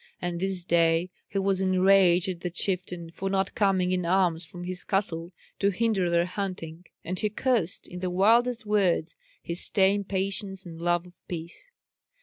And this day he was enraged at the chieftain for not coming in arms from his castle to hinder their hunting; and he cursed, in the wildest words, his tame patience and love of peace.